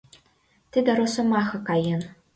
Тиде росомаха каен.